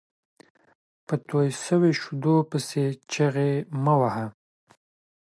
په توى سوو شېدو پيسي چیغي مه وهه!